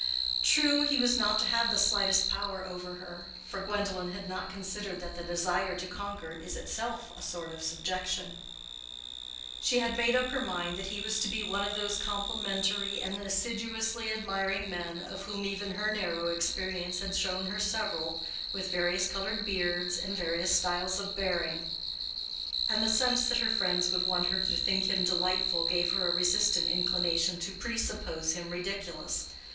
True, he was not to have the slightest power over her (for Gwendolen had not considered that the desire to conquer is itself a sort of subjection); she had made up her mind that he was to be one of those complimentary and assiduously admiring men of whom even her narrow experience had shown her several with various colored beards and various styles of bearing; and the sense that her friends would want her to think him delightful, gave her a resistant inclination to presuppose him ridiculous.